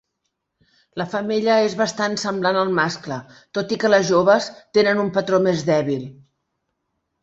La femella és bastant semblant al mascle, tot i que les joves tenen un patró més dèbil.